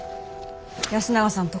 安永さんとこ。